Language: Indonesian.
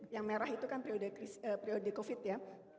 yang merah itu kan periode covid ya